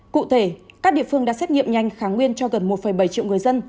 cụ thể các địa phương đã xét nghiệm nhanh kháng nguyên cho gần một bảy triệu người dân